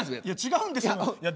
いや「違うんですよ」。